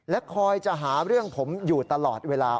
คอยจะหาเรื่องผมอยู่ตลอดเวลา